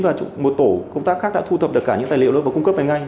và một tổ công tác khác đã thu thập được cả những tài liệu đó và cung cấp về anh anh